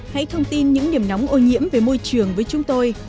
hãy thông tin những điểm nóng ô nhiễm về môi trường với chúng tôi